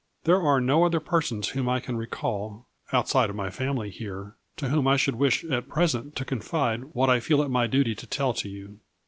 There are no other persons whom I can recall, outside of my family here, to whom I should wish at present to confide what I feel it my duty to tell to you.